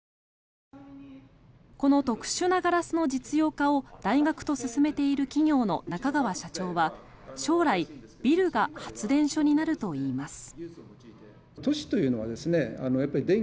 この特殊なガラスの実用化を大学と進めている企業の中川社長は、将来ビルが発電所になるといいます。